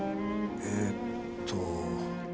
えーっと